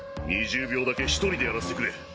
２０秒だけ一人でやらせてくれ。